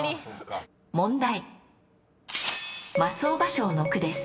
問題。